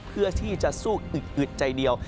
เพื่อที่จะสู้อึกอึดใจเดียว